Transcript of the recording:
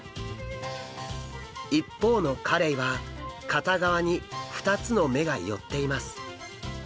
一方のカレイは片側に２つの目が寄っています。